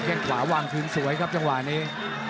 แค่งขวาวางคืนสวยครับจังหวะนี้